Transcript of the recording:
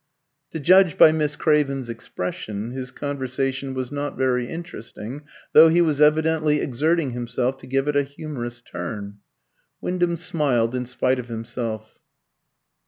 To judge by Miss Craven's expression, his conversation was not very interesting, though he was evidently exerting himself to give it a humorous turn. Wyndham smiled in spite of himself.